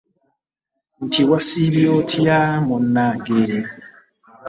Nti wasiibye oyta munange ?